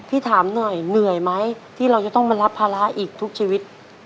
ถามหน่อยเหนื่อยไหมที่เราจะต้องมารับภาระอีกทุกชีวิต